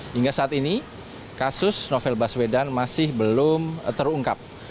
hingga saat ini kasus novel baswedan masih belum terungkap